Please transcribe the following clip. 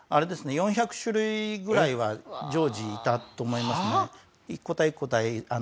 ４００種類ぐらいは常時いたと思いますね。